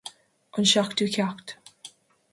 An seachtú ceacht